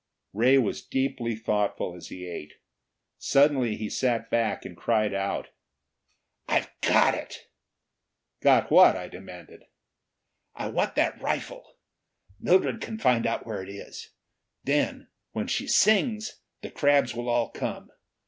Ray was deeply thoughtful as he ate. Suddenly he sat back and cried out: "I've got it!" "Got what?" I demanded. "I want that rifle! Mildred can find out where it is. Then, when she sings, the crabs will all come.